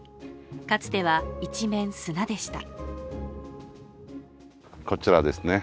かつては１面砂でした